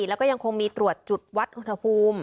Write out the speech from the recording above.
แล้วก็ยังคงมีตรวจจุดวัดอุณหภูมิ